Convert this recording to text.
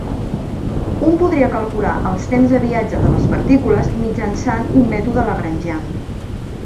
Un podria calcular els temps de viatge de les partícules mitjançant un mètode Lagrangian.